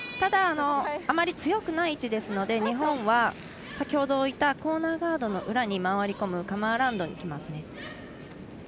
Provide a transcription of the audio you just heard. あまり強くない位置ですので日本は先ほど置いたコーナーガードの裏に回り込むカムアラウンドにきますね。